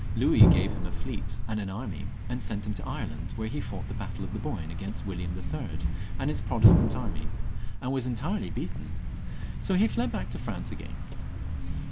Louis gave him a fleet and an army, and sent him to Ireland, where he fought the battle of the Boyne against William III. and his Pro testant army, and was entirely beaten ; so he fled back to France again.